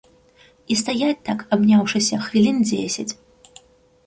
І стаяць так, абняўшыся, хвілін дзесяць.